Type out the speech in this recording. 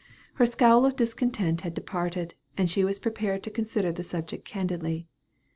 Her scowl of discontent had departed, and she was prepared to consider the subject candidly.